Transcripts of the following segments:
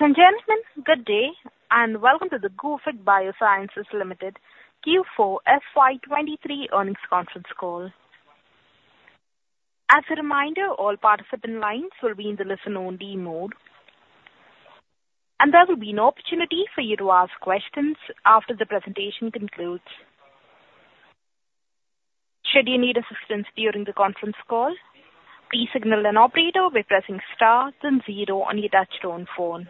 Ladies and gentlemen, good day, and welcome to the Gufic Biosciences Limited Q4 FY23 earnings conference call. As a reminder, all participant lines will be in the listen-only mode, and there will be an opportunity for you to ask questions after the presentation concludes. Should you need assistance during the conference call, please signal an operator by pressing star then zero on your touchtone phone.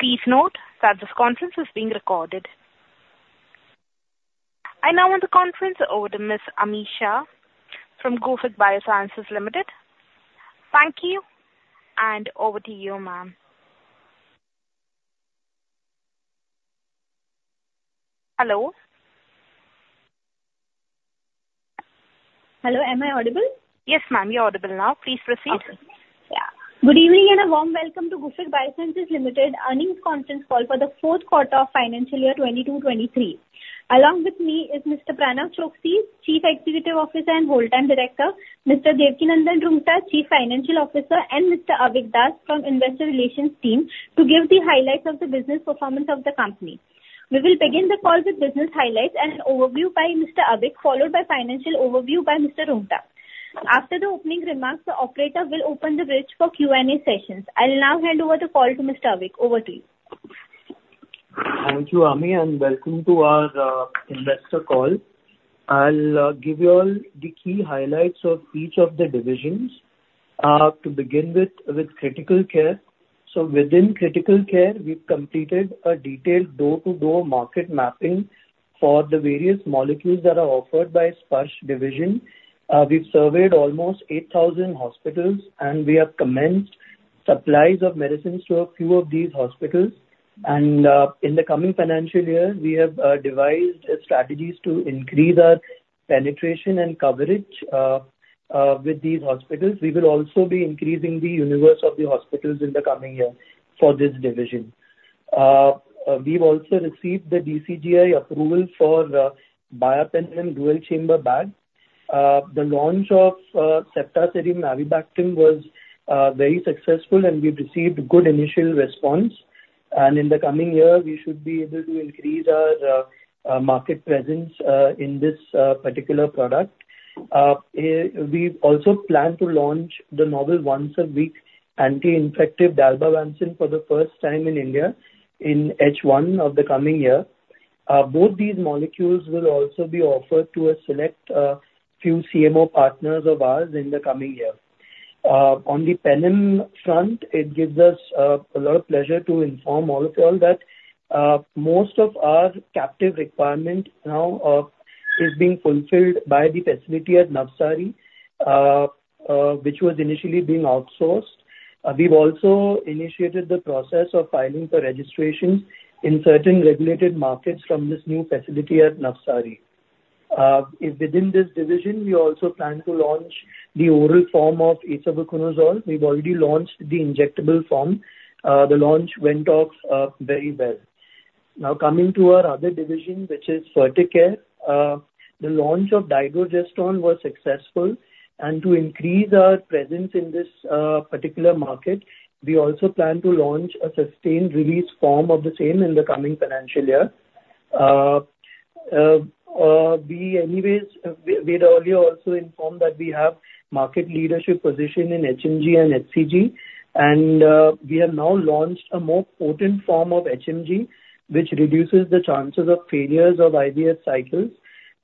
Please note that this conference is being recorded. I now hand the conference over to Ms. Ami Shah from Gufic Biosciences Limited. Thank you, and over to you, ma'am. Hello? Hello, am I audible? Yes, ma'am, you're audible now. Please proceed. Okay. Yeah. Good evening, and a warm welcome to Gufic Biosciences Limited earnings conference call for the Q4 of financial year 2022-2023. Along with me is Mr. Pranav Choksi, Chief Executive Officer and Whole Time Director, Mr. Devkinandan Roonghta, Chief Financial Officer, and Mr. Avik Das from Investor Relations team, to give the highlights of the business performance of the company. We will begin the call with business highlights and an overview by Mr. Avik, followed by financial overview by Mr. Roonghta. After the opening remarks, the operator will open the bridge for Q&A sessions. I'll now hand over the call to Mr. Avik. Over to you. Thank you, Ami, welcome to our investor call. I'll give you all the key highlights of each of the divisions. To begin with critical care: Within critical care, we've completed a detailed door-to-door market mapping for the various molecules that are offered by Sparsh division. We've surveyed almost 8,000 hospitals, we have commenced supplies of medicines to a few of these hospitals. In the coming financial year, we have devised strategies to increase our penetration and coverage with these hospitals. We will also be increasing the universe of the hospitals in the coming year for this division. We've also received the DCGI approval for Biapenem Dual Chamber Bag. The launch of Ceftazidime-Avibactam was very successful, we've received good initial response. In the coming year, we should be able to increase our market presence in this particular product. We also plan to launch the novel once-a-week anti-infective, Dalbavancin, for the first time in India, in H1 of the coming year. Both these molecules will also be offered to a select few CMO partners of ours in the coming year. On the penem front, it gives us a lot of pleasure to inform all of you all that most of our captive requirement now is being fulfilled by the facility at Navsari, which was initially being outsourced. We've also initiated the process of filing for registrations in certain regulated markets from this new facility at Navsari. Within this division, we also plan to launch the oral form of itraconazole. We've already launched the injectable form. The launch went off very well. Coming to our other division, which is Ferticare. The launch of Dydrogesterone was successful, and to increase our presence in this particular market, we also plan to launch a sustained release form of the same in the coming financial year. We anyways, we earlier also informed that we have market leadership position in HMG and HCG, and we have now launched a more potent form of HMG, which reduces the chances of failures of IVF cycles.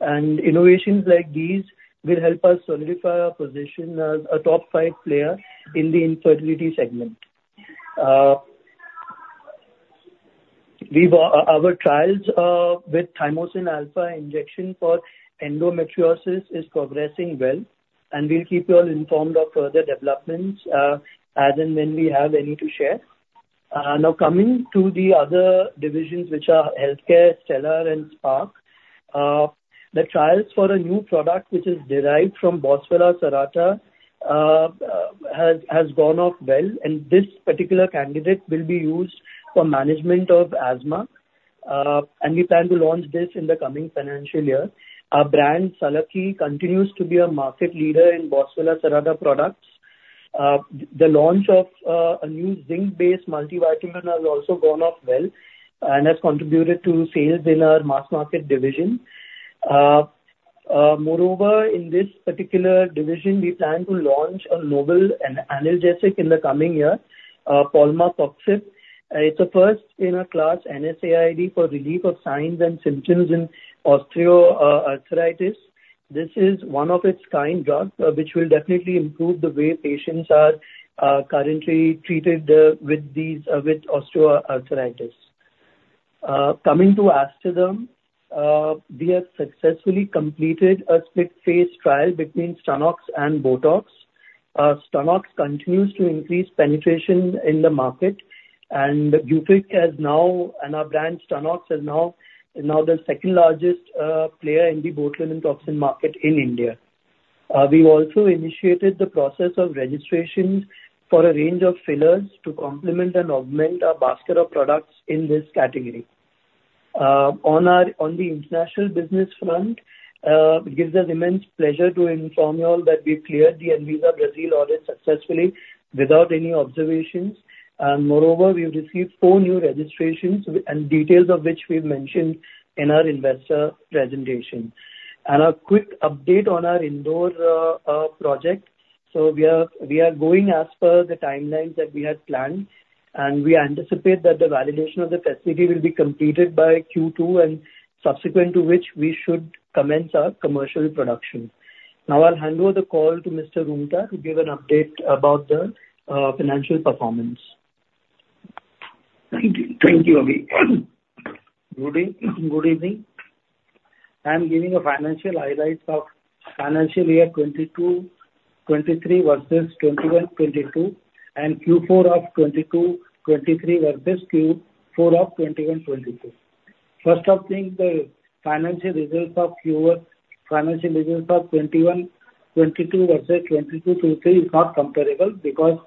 Innovations like these will help us solidify our position as a top five player in the infertility segment. Our trials with Thymosin Alpha injection for endometriosis is progressing well, and we'll keep you all informed of further developments as and when we have any to share. Now coming to the other divisions, which are healthcare, Stellar and Spark. The trials for a new product, which is derived from Boswellia serrata, has gone off well, and this particular candidate will be used for management of asthma. We plan to launch this in the coming financial year. Our brand, Sallaki, continues to be a market leader in Boswellia serrata products. The launch of a new zinc-based Multivitamin has also gone off well and has contributed to sales in our mass market division. Moreover, in this particular division, we plan to launch a novel Analgesic in the coming year, Polmacoxib. It's a first-in-a-class NSAID for relief of signs and symptoms in osteoarthritis. This is one-of-its-kind drug, which will definitely improve the way patients are currently treated with these with osteoarthritis. Coming to Aesthederm, we have successfully completed a split phase trial between Stunnox and Botox. Stunnox continues to increase penetration in the market, and our brand, Stunnox, is now the second largest player in the Botulinum Toxin Market in India. We've also initiated the process of registrations for a range of fillers to complement and augment our basket of products in this category.... on our, on the international business front, it gives us immense pleasure to inform you all that we cleared the Anvisa Brazil audit successfully without any observations. Moreover, we have received 4 new registrations, and details of which we've mentioned in our investor presentation. A quick update on our Indore project. We are, we are going as per the timelines that we had planned, and we anticipate that the validation of the facility will be completed by Q2 and subsequent to which we should commence our commercial production. I'll hand over the call to Mr. Roonghta to give an update about the financial performance. Thank you. Thank you, Avik. Good evening, good evening. I'm giving a financial highlights of financial year 2022-2023 versus 2021-2022, and Q4 of 2022-2023 versus Q4 of 2021-2022. First off thing, the financial results of 2021-2022 versus 2022-2023 is not comparable, because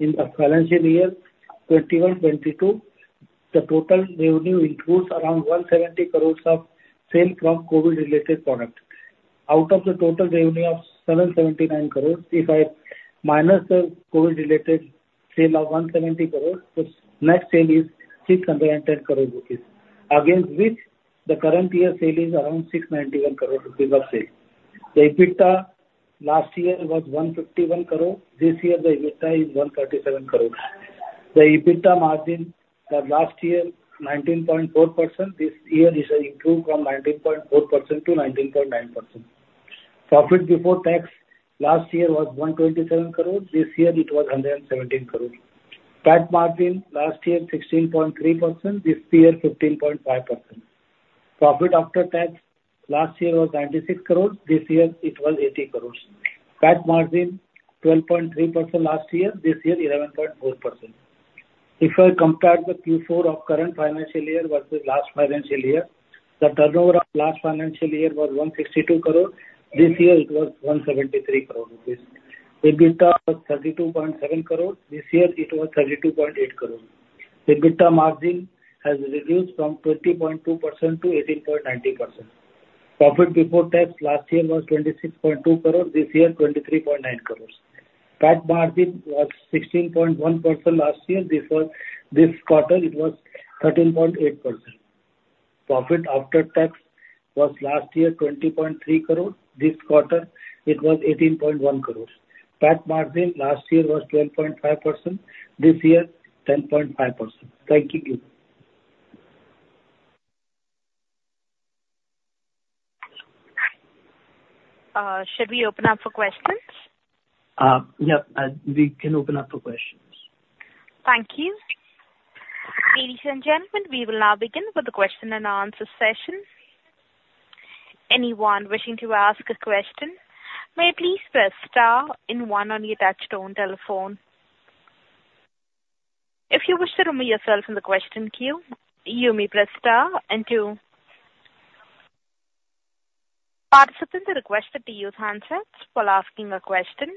in the financial year 2021-2022, the total revenue includes around 170 crores of sale from COVID-related product. Out of the total revenue of 779 crores, if I minus the COVID-related sale of 170 crores, the net sale is 610 crore rupees, against which the current year sale is around 691 crore rupees of sale. The EBITDA last year was 151 crore. This year, the EBITDA is INR 137 crore. The EBITDA margin for last year, 19.4%; this year it has improved from 19.4% to 19.9%. Profit before tax last year was 127 crores, this year it was 117 crores. PAT margin last year, 16.3%; this year, 15.5%. Profit after tax last year was 96 crores, this year it was 80 crores. PAT margin 12.3% last year, this year 11.4%. If I compare the Q4 of current financial year versus last financial year, the turnover of last financial year was 162 crore, this year it was 173 crore rupees. EBITDA was 32.7 crore, this year it was 32.8 crore. The EBITDA margin has reduced from 20.2% to 18.90%. Profit before tax last year was 26.2 crore, this year 23.9 crore. PAT margin was 16.1% last year, before this quarter it was 13.8%. Profit after tax was last year 20.3 crore, this quarter it was 18.1 crore. PAT margin last year was 12.5%, this year 10.5%. Thank you again. Should we open up for questions? Yeah, we can open up for questions. Thank you. Ladies and gentlemen, we will now begin with the question and answer session. Anyone wishing to ask a question, may please press star and one on your touchtone telephone. If you wish to remove yourself from the question queue, you may press star and two. Participants are requested to use handsets while asking a question.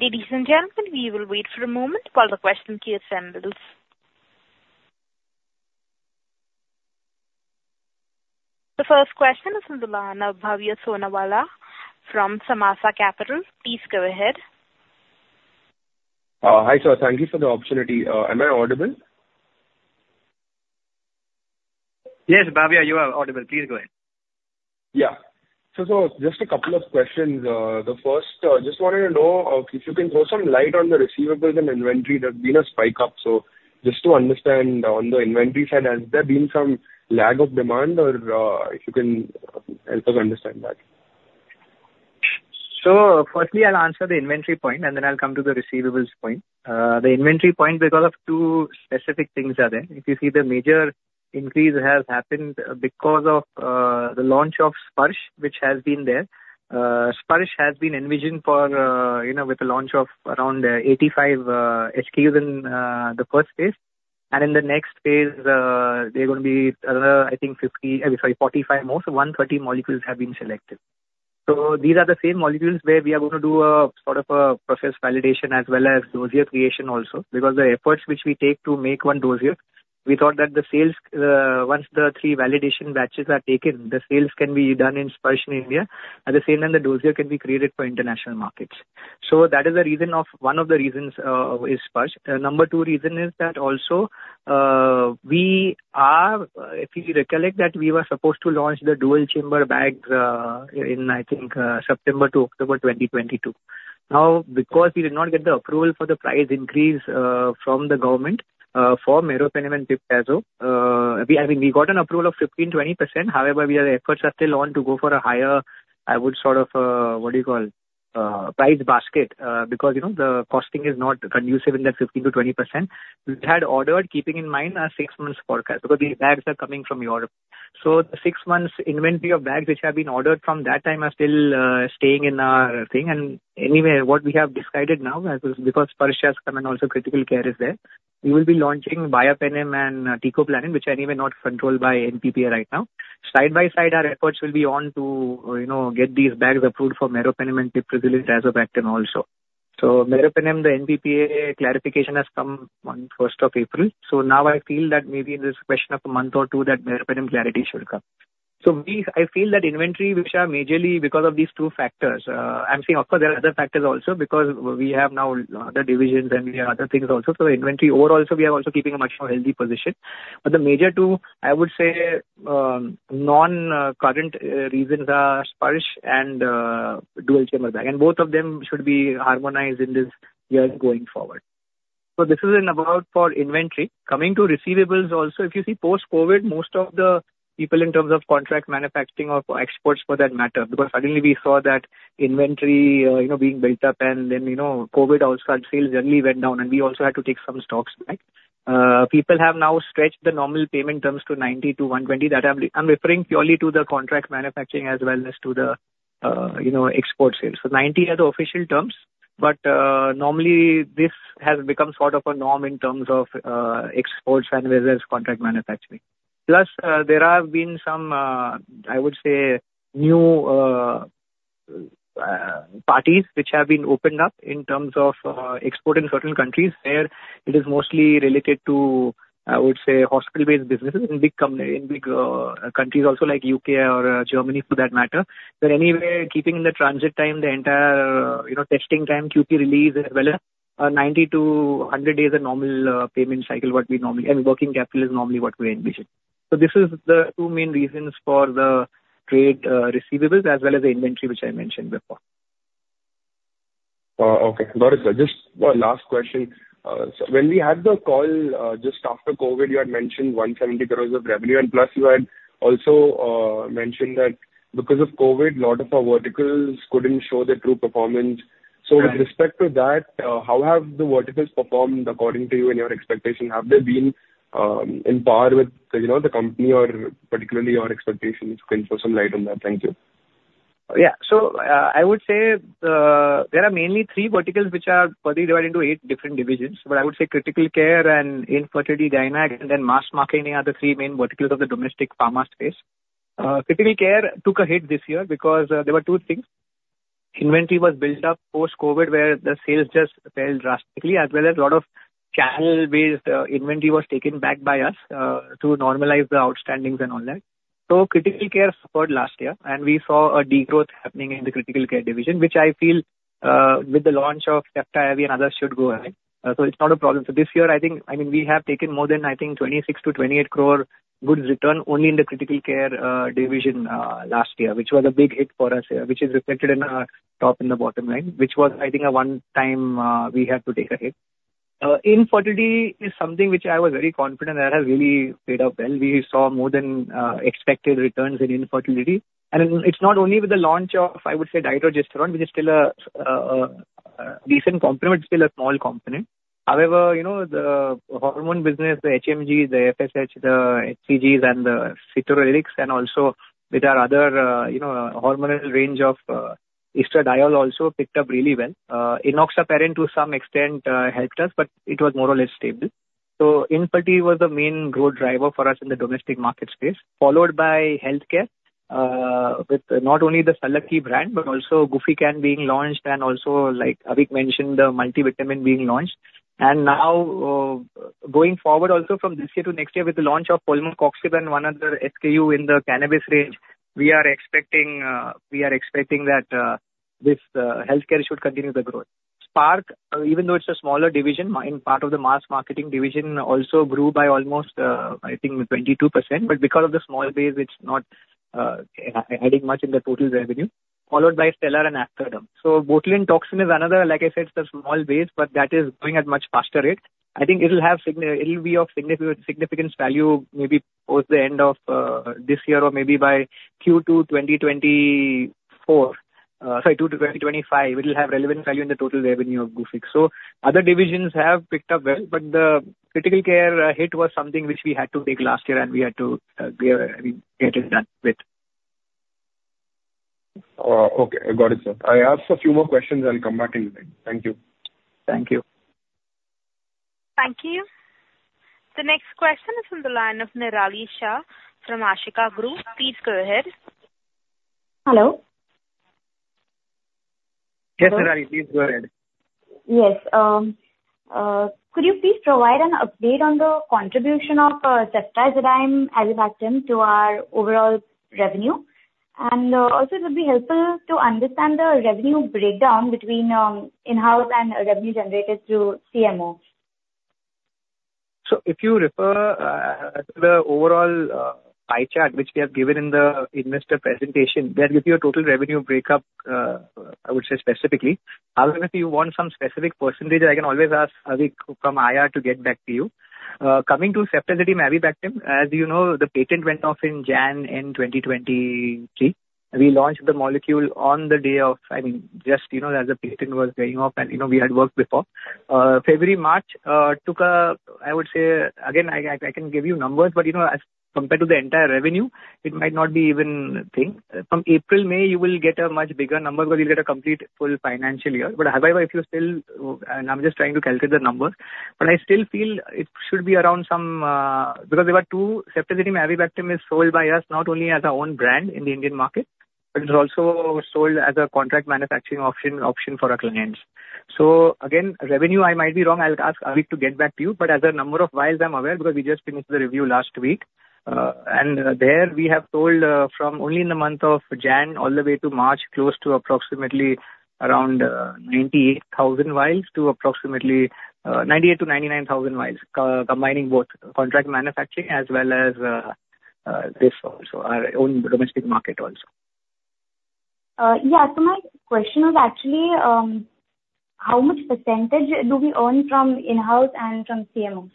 Ladies and gentlemen, we will wait for a moment while the question queue assembles. The first question is from the line of Bhavya Sonawala from Samaasa Capital. Please go ahead. Hi, sir, thank you for the opportunity. Am I audible? Yes, Bhavya, you are audible. Please go ahead. Yeah. Just a couple of questions. The first, just wanted to know, if you can throw some light on the receivables and inventory, there's been a spike up. Just to understand on the inventory side, has there been some lag of demand or, if you can help us understand that? I'll answer the inventory point, and then I'll come to the receivables point. The inventory point because of two specific things are there. If you see the major increase has happened because of the launch of Sparsh, which has been there. Sparsh has been envisioned for, you know, with the launch of around 85 SKUs in the first phase. And in the next phase, there are going to be, I think 50, sorry, 45 more, so 130 molecules have been selected. These are the same molecules where we are going to do a sort of a process validation as well as dossier creation also, because the efforts which we take to make 1 dossier, we thought that the sales, once the 3 Validation Batches are taken, the sales can be done in Sparsh in India, at the same time the dossier can be created for international markets. One of the reasons is Sparsh. number 2 reason is that also, we are, if you recollect, that we were supposed to launch the Dual Chamber Bag, in, I think, September to October 2022. Now, because we did not get the approval for the price increase, from the government, for Meropenem and Pip/Tazo, we, I mean, we got an approval of 15%, 20%. However, efforts are still on to go for a higher, what do you call? price basket. Because, you know, the costing is not conducive in that 15%-20%. We had ordered, keeping in mind our 6 months forecast, because these bags are coming from Europe. The 6 months inventory of bags which have been ordered from that time are still staying in our thing. Anyway, what we have decided now, because Sparsh has come and also Critical Care is there, we will be launching Biapenem and Teicoplanin, which are anyway not controlled by NPPA right now. Side by side, our efforts will be on to, you know, get these bags approved for Meropenem and Piperacillin-Tazobactam also. Meropenem, the NPPA clarification has come on 1st of April. Now I feel that maybe in this question of a month or 2, that meropenem clarity should come. We, I feel that inventory, which are majorly because of these 2 factors. I'm saying of course there are other factors also because we have now the divisions and we have other things also. Inventory overall, we are also keeping a much more healthy position. The major 2, I would say, non-current reasons are Sparsh and Dual Chamber Bag, and both of them should be harmonized in this year going forward. This is in about for inventory. Coming to receivables also, if you see post-COVID, most of the people in terms of contract manufacturing or exports for that matter, because suddenly we saw that inventory, you know, being built up, and then, you know, COVID also our sales really went down, and we also had to take some stocks, right? People have now stretched the normal payment terms to 90 to 120. That I'm referring purely to the contract manufacturing as well as to the, you know, export sales. 90 are the official terms, but normally this has become sort of a norm in terms of exports and as well as contract manufacturing. There have been some, I would say, new parties which have been opened up in terms of export in certain countries where it is mostly related to, I would say, hospital-based businesses in big countries also like UK or Germany, for that matter. Keeping the transit time, the entire, you know, testing time, QP release, as well as 90-100 days of normal payment cycle, what we normally, and working capital is normally what we envision. This is the two main reasons for the trade receivables as well as the inventory, which I mentioned before. Okay. Got it, sir. Just one last question. When we had the call, just after COVID, you had mentioned 170 crores of revenue, and plus you had also mentioned that because of COVID, a lot of our verticals couldn't show their true performance. Right. With respect to that, how have the verticals performed according to you and your expectation? Have they been, in par with, you know, the company or particularly your expectations? If you can throw some light on that. Thank you. I would say, there are mainly three verticals which are further divided into eight different divisions. But I would say Critical Care and Infertility, Gynaecology, and Mass Marketing are the three main verticals of the domestic pharma space. Critical Care took a hit this year because there were two things. Inventory was built up post-COVID, where the sales just fell drastically, as well as a lot of channel-based inventory was taken back by us to normalize the outstandings and all that. Critical Care suffered last year, and we saw a decline growth happening in the Critical Care division, which I feel, with the launch of Cefiderocol and others, should go away. It's not a problem. This year, I think, I mean, we have taken more than, I think, 26 crore-28 crore goods return only in the critical care division last year, which was a big hit for us here, which is reflected in our top and the bottom line, which was, I think, a one-time we had to take a hit. Infertility is something which I was very confident that has really paid off well. We saw more than expected returns in infertility, and it's not only with the launch of, I would say, Dydrogesterone, which is still a decent component, it's still a small component. However, you know, the hormone business, the HMG, the FSH, the HCGs and the cetrorelix, and also with our other, you know, hormonal range of estradiol also picked up really well. enoxaparin to some extent, helped us, but it was more or less stable. Infertility was the main growth driver for us in the domestic market space, followed by healthcare, with not only the Sallaki brand, but also Gufican being launched and also, like Avik mentioned, the Multivitamin being launched. Going forward also from this year to next year, with the launch of Polmacoxib and one other SKU in the cannabis range, we are expecting that, this healthcare should continue the growth. Spark, even though it's a smaller division, part of the mass marketing division, also grew by almost, I think 22%, but because of the small base, it's not, adding much in the total revenue, followed by Stellar and Aeptepro. Botulinum toxin is another, like I said, it's a small base, but that is growing at much faster rate. I think it'll have significance value maybe towards the end of this year or maybe by Q2 2024, sorry, Q2 2025, it will have relevant value in the total revenue of Gufic. Other divisions have picked up well, but the critical care hit was something which we had to take last year, and we had to, we get it done with. Okay, I got it, sir. I ask a few more questions and I'll come back to you then. Thank you. Thank you. Thank you. The next question is from the line of Nirali Shah from Ashika Group. Please go ahead. Hello? Yes, Nirali, please go ahead. Yes, could you please provide an update on the contribution of Ceftazidime Avibactam to our overall revenue? Also it would be helpful to understand the revenue breakdown between in-house and revenue generated through CMO. If you refer, the overall pie chart, which we have given in the investor presentation, that will give you a total revenue break up, I would say specifically, however, if you want some specific percentages, I can always ask Avik from IR to get back to you. Coming to Ceftazidime Avibactam, as you know, the Patent went off in January end 2023. We launched the molecule on the day of, I mean, just, you know, as the Patent was going off and, you know, we had worked before. February, March, I would say, again, I can give you numbers, but, you know, as compared to the entire revenue, it might not be even a thing. From April, May, you will get a much bigger number because you'll get a complete, full financial year. However, if you're still, and I'm just trying to calculate the numbers, but I still feel it should be around some, because there were two Ceftazidime Avibactam is sold by us, not only as our own brand in the Indian market, but it's also sold as a contract manufacturing option for our clients. Again, revenue, I might be wrong. I'll ask Avik to get back to you, but as a number of vials, I'm aware because we just finished the review last week. And there we have told, from only in the month of January all the way to March, close to approximately around 98,000 vials to approximately 98,000-99,000 vials, combining both contract manufacturing as well as this also, our own domestic market also. Yeah. My question is actually, how much % do we earn from in-house and from CMO?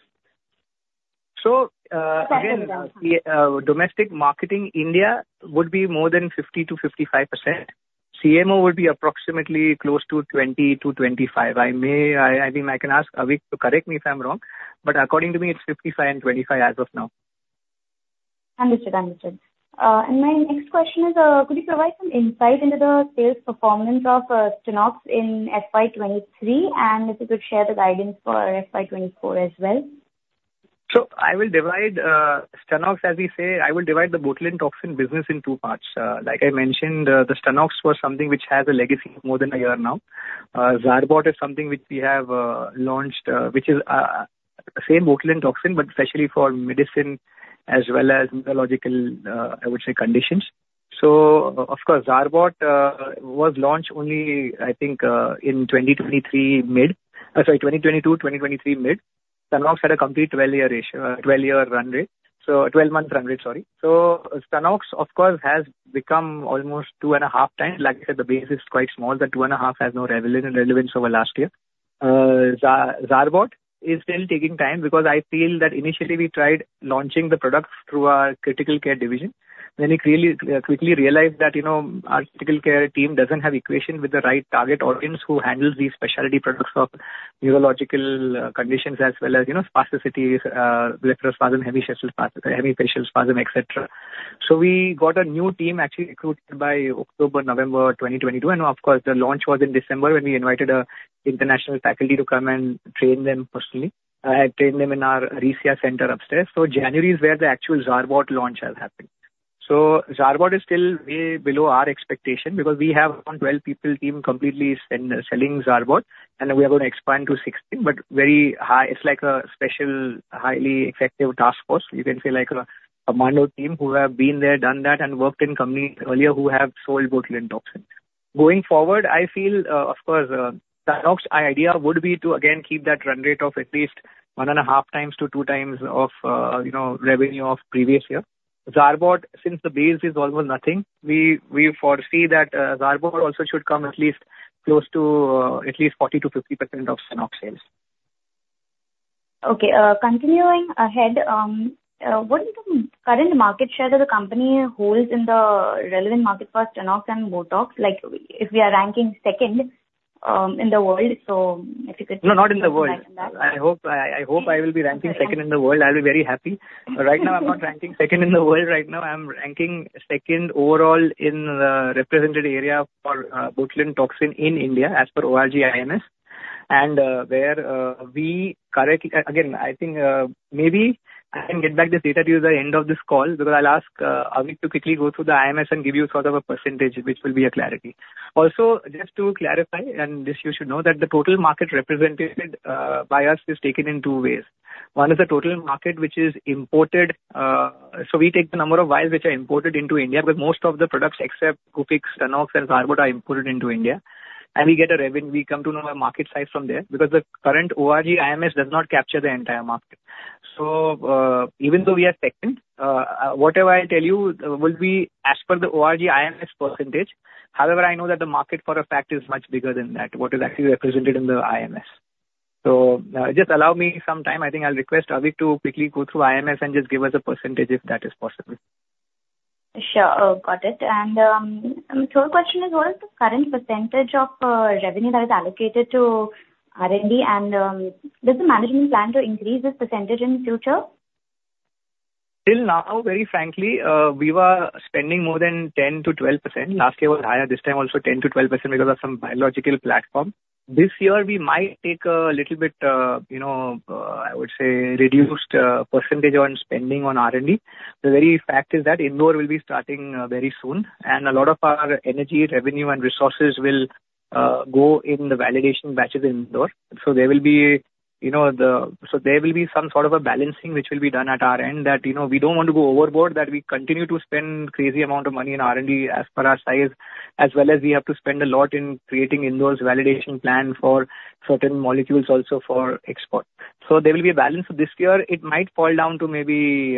So, uh, again- Second one. Domestic marketing, India would be more than 50% to 55%. CMO would be approximately close to 20% to 25%. I think I can ask Avik to correct me if I'm wrong, but according to me, it's 55% and 25% as of now. Understood. Understood. My next question is, could you provide some insight into the sales performance of Stunnox in FY23, and if you could share the guidance for FY24 as well? I will divide Stunnox, as we say, I will divide the botulinum toxin business in two parts. Like I mentioned, the Stunnox was something which has a legacy of more than a year now. Zarbot is something which we have launched, which is same botulinum toxin, but specially for medicine as well as neurological, I would say, conditions. Of course, Zarbot was launched only, I think, in 2023 mid, sorry, 2022, 2023 mid. Stunnox had a complete 12-year run rate, so 12-month run rate, sorry. Stunnox, of course, has become almost two and a half times. Like I said, the base is quite small, the two and a half has no relevance over last year. Zarbot is still taking time because I feel that initially we tried launching the products through our critical care division. We clearly quickly realized that, you know, our critical care team doesn't have equation with the right target audience who handles these specialty products for neurological conditions as well as, you know, spasticity, strabismus, hemifacial spasm, et cetera. We got a new team actually recruited by October, November 2022. Of course, the launch was in December when we invited a international faculty to come and train them personally and train them in our Resia center upstairs. January is where the actual Zarbot launch has happened. Zarbot is still way below our expectation because we have around 12 people team completely selling Zarbot, and we are going to expand to 16, but very high. It's like a special, highly effective task force. You can say like a commando team who have been there, done that, and worked in companies earlier who have sold botulinum toxin. Going forward, I feel, of course, Stunnox, our idea would be to again keep that run rate of at least one and a half times to 2 times of, you know, revenue of previous year. Zarbot, since the base is almost nothing, we foresee that, Zarbot also should come at least close to, at least 40%-50% of Stunnox sales. Continuing ahead, what is the current market share that the company holds in the relevant market for Stunnox and Botox? Like, if we are ranking second in the world, if you could... No, not in the world. expand on that. I hope I will be ranking second in the world. I'll be very happy. Right now, I'm not ranking second in the world right now. I'm ranking second overall in the represented area for botulinum toxin in India, as per ORG IMS. There, we currently again, I think, maybe I can get back this data to you at the end of this call, because I'll ask Avik to quickly go through the IMS and give you sort of a percentage, which will be a clarity. Also, just to clarify, and this you should know, that the total market represented by us is taken in two ways. One is the total market which is imported. We take the number of vials which are imported into India, because most of the products except Cupix, Stunnox, and Zarbot are imported into India. We come to know the market size from there, because the current ORG IMS does not capture the entire market. Even though we are second, whatever I tell you will be as per the ORG IMS percentage. However, I know that the market for a fact is much bigger than that, what is actually represented in the IMS. Just allow me some time. I think I'll request Avik to quickly go through IMS and just give us a percentage, if that is possible. Sure. got it. The third question is: What is the current % of revenue that is allocated to R&D, and does the management plan to increase this % in the future? Till now, very frankly, we were spending more than 10%-12%. Last year was higher, this time also 10%-12% because of some biological platform. This year we might take a little bit, you know, I would say, reduced percentage on spending on R&D. The very fact is that Indore will be starting very soon, and a lot of our energy, revenue, and resources will go in the Validation Batches in Indore. There will be, you know, some sort of a balancing which will be done at our end, that, you know, we don't want to go overboard, that we continue to spend crazy amount of money in R&D as per our size, as well as we have to spend a lot in creating Indore's validation plan for certain molecules also for export. There will be a balance. This year, it might fall down to maybe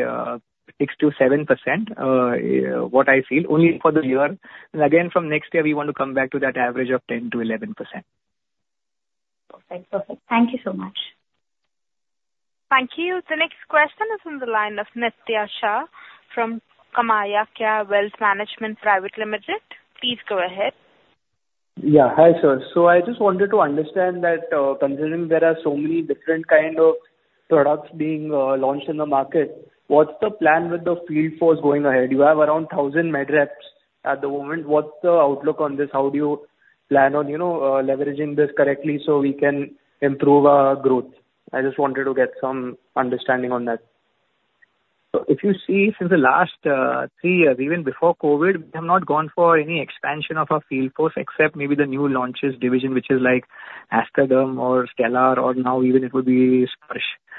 6%-7%, what I feel, only for this year. Again, from next year, we want to come back to that average of 10%-11%. Perfect. Perfect. Thank you so much. Thank you. The next question is on the line of Nitya Shah from KamayaKya Wealth Management Private Limited. Please go ahead. Hi, sir. I just wanted to understand that, considering there are so many different kind of products being launched in the market, what's the plan with the field force going ahead? You have around 1,000 med reps at the moment. What's the outlook on this? How do you plan on, you know, leveraging this correctly so we can improve our growth? I just wanted to get some understanding on that. If you see since the last three years, even before COVID, we have not gone for any expansion of our field force, except maybe the new launches division, which is like Aesthaderm or Stellar, or now even it will be Sparsh.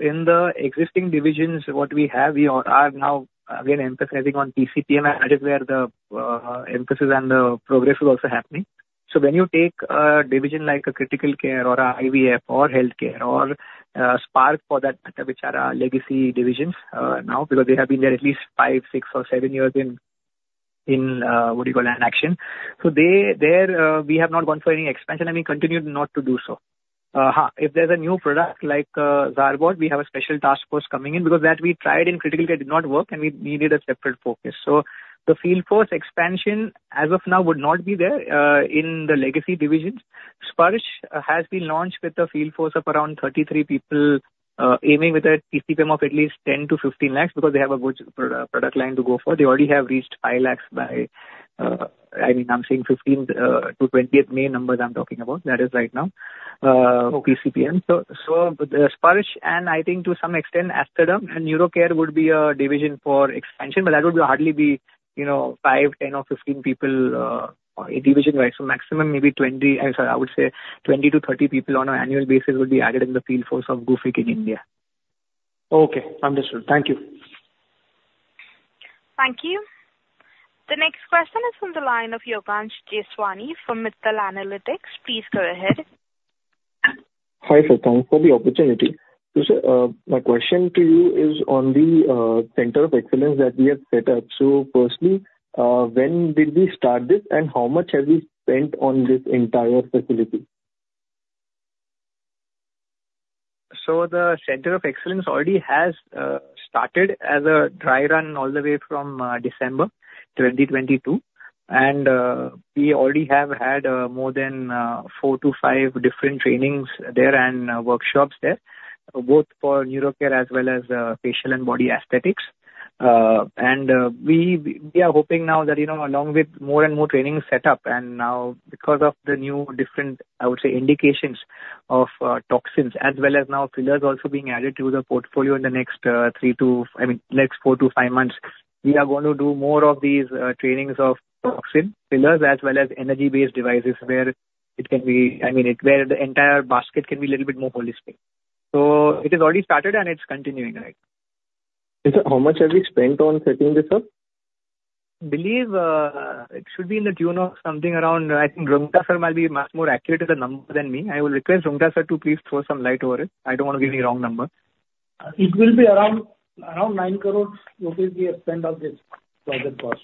In the existing divisions, what we have, we are now again emphasizing on PCPM, and that is where the emphasis and the progress is also happening. When you take a division like a critical care or IVF or healthcare or Spark for that matter, which are our legacy divisions, now, because they have been there at least five, six or seven years in what do you call it, an action. There, we have not gone for any expansion, and we continue not to do so. If there's a new product like Zarbot, we have a special task force coming in because that we tried in critical care, it did not work, and we needed a separate focus. The field force expansion, as of now, would not be there in the legacy divisions. Sparsh has been launched with a field force of around 33 people, aiming with a PCPM of at least 10 lakhs-15 lakhs, because they have a good product line to go for. They already have reached 5 lakhs by, I mean, I'm saying 15th to 20th May numbers I'm talking about. That is right now for PCPM. The Sparsh, and I think to some extent Aesthaderm and NeuroCare would be a division for expansion, but that would hardly be, you know, 5, 10 or 15 people division-wise. Maximum maybe 20, sorry, I would say 20-30 people on an annual basis would be added in the field force of Gufic in India. Understood. Thank you. Thank you. The next question is from the line of Yogansh Jeswani from Mittal Analytics. Please go ahead. Hi, sir. Thanks for the opportunity. My question to you is on the Center of Excellence that we have set up. Firstly, when did we start this, and how much have we spent on this entire facility? The Center of Excellence already has started as a dry run all the way from December 2022. We already have had more than 4 to 5 different trainings there and workshops there, both for Neurocare as well as facial and body aesthetics. We are hoping now that, you know, along with more and more trainings set up, and now because of the new, different, I would say, indications of toxins as well as now fillers also being added to the portfolio in the next 3 to... I mean, next 4 to 5 months, we are going to do more of these trainings of toxin fillers as well as energy-based devices, where it can be, I mean, where the entire basket can be a little bit more holistic. It has already started, and it's continuing, right. Sir, how much have we spent on setting this up? Believe, it should be in the tune of something around, I think Roonghta sir might be much more accurate to the number than me. I will request Roonghta sir to please throw some light over it. I don't want to give any wrong number. It will be around 9 crores, which is the extent of this project cost.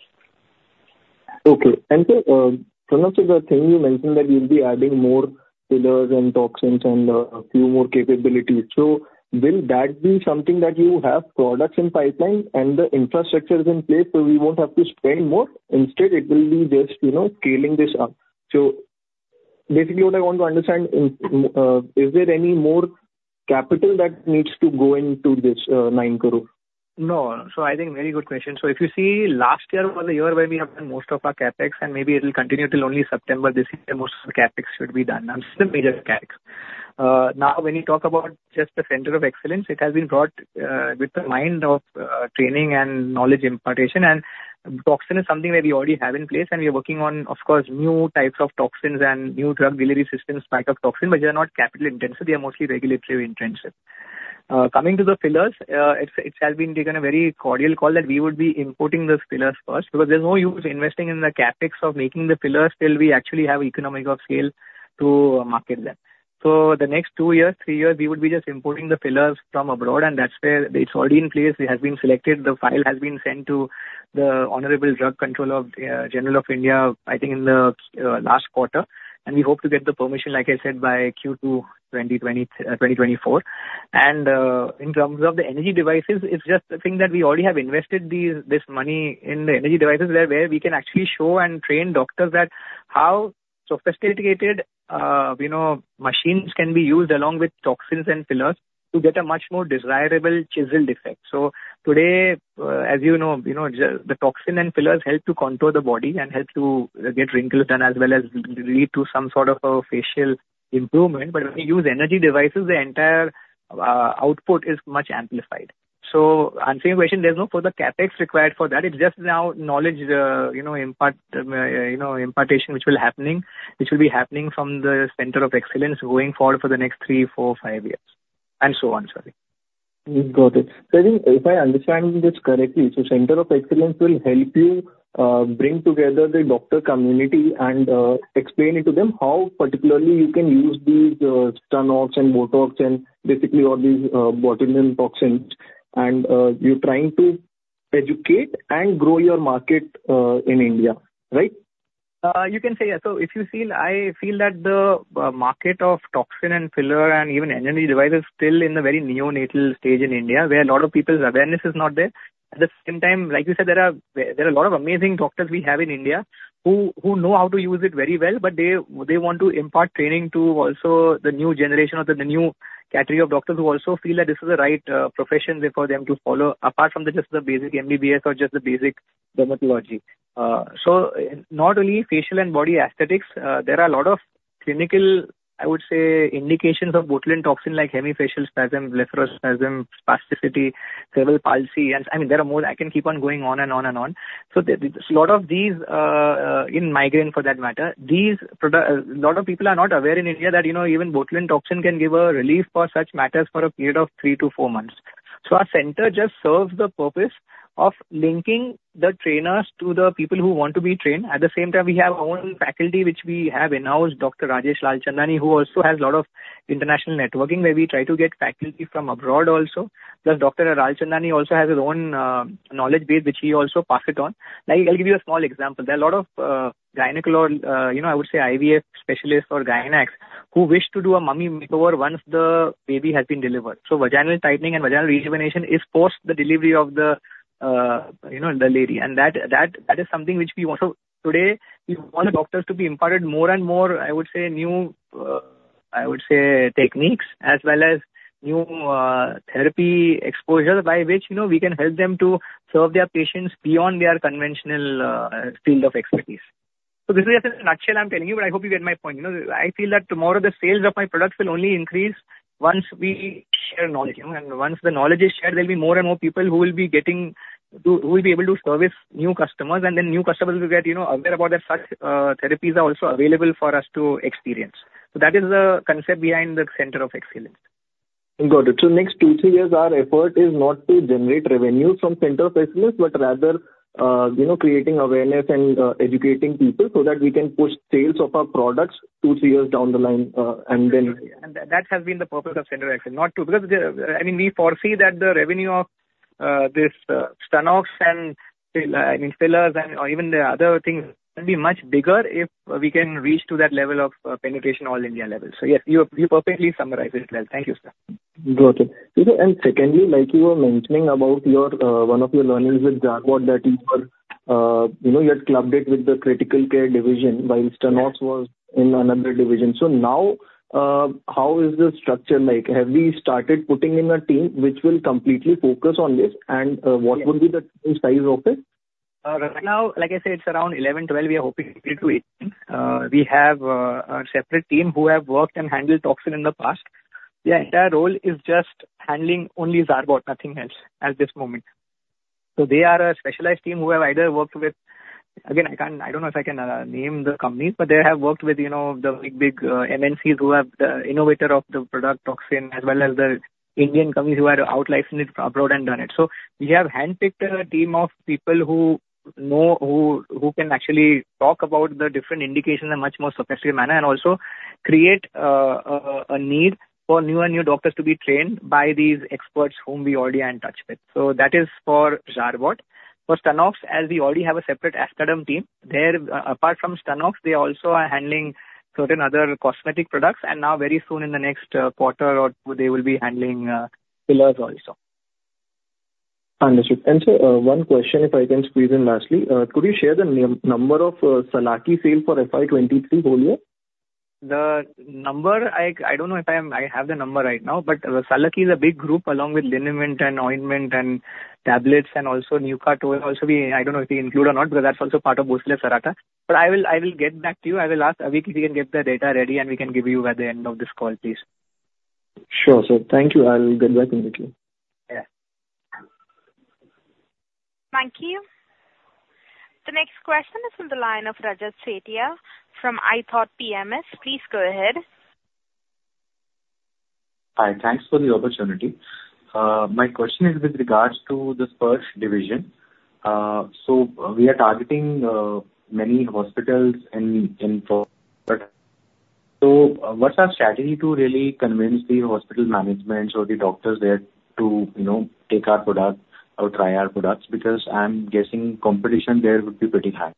Okay. Sir, the thing you mentioned that you'll be adding more fillers and toxins and, a few more capabilities. Will that be something that you have products in pipeline and the infrastructure is in place, so we won't have to spend more? Instead, it will be just, you know, scaling this up. Basically, what I want to understand, is there any more capital that needs to go into this, 9 crore? No. I think very good question. If you see, last year was the year where we have done most of our CapEx, and maybe it will continue till only September this year, most of the CapEx should be done, the major CapEx. Now, when you talk about just the Center of Excellence, it has been brought with the mind of training and knowledge impartation. Toxin is something that we already have in place, and we are working on, of course, new types of toxins and new drug delivery systems type of toxin, but they are not capital intensive, they are mostly regulatory intensive. Coming to the fillers, it has been taken a very cordial call that we would be importing those fillers first, because there's no use investing in the CapEx of making the fillers till we actually have economics of scale to market them. The next 2 years, 3 years, we would be just importing the fillers from abroad, and that's where it's already in place. It has been selected. The file has been sent to the honorable Drug Controller General of India, I think in the last quarter, we hope to get the permission, like I said, by Q2 2024. In terms of the energy devices, it's just the thing that we already have invested this money in the energy devices where we can actually show and train doctors at how sophisticated, you know, machines can be used along with toxins and fillers to get a much more desirable chiseled effect. Today, as you know, the toxin and fillers help to contour the body and help to get wrinkles done as well as lead to some sort of a facial improvement. When we use energy devices, the entire output is much amplified. Answering your question, there's no further CapEx required for that. It's just now knowledge, you know, impartation, which will be happening from the Center of Excellence going forward for the next three, four, five years, and so on, sorry. Got it. I think, if I understand this correctly, Center of excellence will help you bring together the doctor community and explain it to them how particularly you can use these Stunnox and Botox and basically all these botulinum toxins. You're trying to educate and grow your market in India, right? You can say, yeah. If you see, I feel that the market of toxin and filler and even energy device is still in a very neonatal stage in India, where a lot of people's awareness is not there. At the same time, like you said, there are a lot of amazing doctors we have in India who know how to use it very well, but they want to impart training to also the new generation of the new category of doctors who also feel that this is the right profession for them to follow, apart from the just the basic MBBS or just the basic dermatology. Not only facial and body aesthetics, there are a lot of clinical, I would say, indications of botulinum toxin, like hemifacial spasm, blepharospasm, spasticity, cerebral palsy, and, I mean, there are more. I can keep on going on and on and on. The, lot of these in migraine, for that matter, a lot of people are not aware in India that, you know, even botulinum toxin can give a relief for such matters for a period of 3 to 4 months. Our center just serves the purpose of linking the trainers to the people who want to be trained. At the same time, we have our own faculty, which we have in-house, Dr. Rajesh Lalchandani, who also has a lot of international networking, where we try to get faculty from abroad also. Dr. Lalchandani also has his own knowledge base, which he also pass it on. Like, I'll give you a small example. There are a lot of, gynec, you know, I would say IVF specialists or gynecs, who wish to do a mommy makeover once the baby has been delivered. Vaginal tightening and vaginal rejuvenation is post the delivery of the, you know, the lady, and that is something which we also. Today, we want the doctors to be imparted more and more, I would say, new, I would say, techniques, as well as new, therapy exposure, by which, you know, we can help them to serve their patients beyond their conventional, field of expertise. This is just in a nutshell, I'm telling you, but I hope you get my point. You know, I feel that tomorrow, the sales of my products will only increase once we share knowledge, you know. Once the knowledge is shared, there will be more and more people who will be able to service new customers. Then new customers will get, you know, aware about that such therapies are also available for us to experience. That is the concept behind the Center of Excellence. Got it. Next two, three years, our effort is not to generate revenue from Center of Excellence, but rather, you know, creating awareness and educating people so that we can push sales of our products two, three years down the line, and then. That has been the purpose of Center of Excellence, not to... I mean, we foresee that the revenue of this Stunnox and I mean, fillers and or even the other things can be much bigger if we can reach to that level of penetration all India level. Yes, you perfectly summarized it well. Thank you, sir. Got it. Secondly, like you were mentioning about your, one of your learnings with Xeomin that you were, you know, you had clubbed it with the critical care division, while Stunnox was in another division. Now, how is the structure like? Have we started putting in a team which will completely focus on this, and, what would be the team size of it? Right now, like I said, it's around 11, 12. We are hoping to get to 18. We have a separate team who have worked and handled toxin in the past. Their entire role is just handling only Xeomin, nothing else, at this moment. They are a specialized team who have either worked with... Again, I don't know if I can name the companies, but they have worked with, you know, the big, MNCs who have the innovator of the product toxin, as well as the Indian companies who have outlicensed it abroad and done it. we have handpicked a team of people who know, who can actually talk about the different indications in a much more sophisticated manner, and also create a need for new and new doctors to be trained by these experts whom we already are in touch with. That is for Xeomin. For Stunnox, as we already have a separate Aesthaderm team, there, apart from Stunnox, they also are handling certain other cosmetic products, and now very soon, in the next quarter or two, they will be handling fillers also. Understood. One question, if I can squeeze in lastly, could you share the number of Sallaki sale for FY 23 whole year? The number. I don't know if I have the number right now. Sallaki is a big group, along with liniment and ointment and tablets and also Sallaki T-Olet. I don't know if we include or not, because that's also part of Boswellia serrata. I will get back to you. I will ask Avi if we can get the data ready, and we can give you at the end of this call, please. Sure, sir. Thank you. I will get back immediately. Yeah. Thank you. The next question is on the line of Rajat Setiya from iThought PMS. Please go ahead. Hi. Thanks for the opportunity. My question is with regards to the Sparsh division. We are targeting, many hospitals. What's our strategy to really convince the hospital managements or the doctors there to, you know, take our product or try our products? Because I'm guessing competition there would be pretty high.